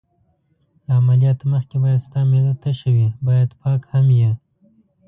له عملیاتو مخکې باید ستا معده تشه وي، باید پاک هم یې.